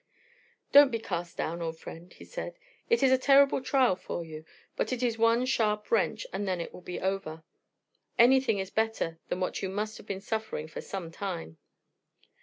"Don't be cast down, old friend," he said. "It is a terrible trial to you; but it is one sharp wrench, and then it will be over. Anything is better than what you must have been suffering for some time."